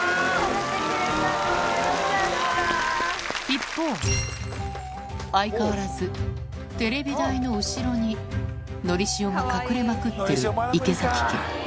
一方、相変わらずテレビ台の後ろにのりしおが隠れまくってる池崎家。